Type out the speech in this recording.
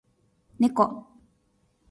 ねこ